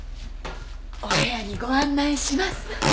お部屋にご案内します。